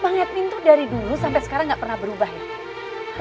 bang edwin tuh dari dulu sampe sekarang gak pernah berubah ya